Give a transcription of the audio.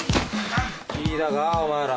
聞いたかお前ら。